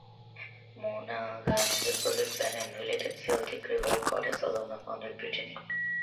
Monaghan posits an unrelated Celtic river goddess Alauna, found in Brittany.